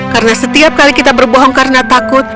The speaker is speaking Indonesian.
karena setiap kali kita berbohong karena takut